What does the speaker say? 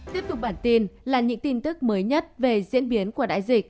tiếp tục bản tin là những tin tức mới nhất về diễn biến của đại dịch